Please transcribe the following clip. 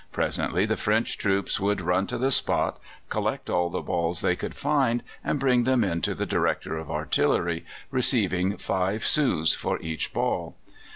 Presently the French troops would run to the spot, collect all the balls they could find and bring them in to the Director of Artillery, receiving five sous for each ball.